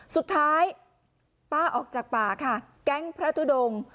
สุดท้ายป้าออกจากป่าค่ะแก๊งพระทุดง